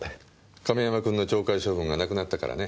亀山君の懲戒処分がなくなったからね。